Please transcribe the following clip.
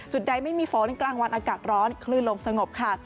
ใดไม่มีฝนกลางวันอากาศร้อนคลื่นลมสงบค่ะ